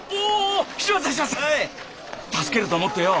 助けると思ってよ